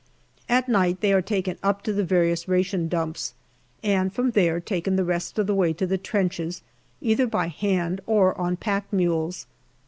At night they are taken up to the various ration dumps, and from there taken the rest of the way to the trenches either by hand or on pack mules.